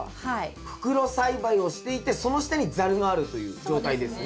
袋栽培をしていてその下にザルがあるという状態ですね。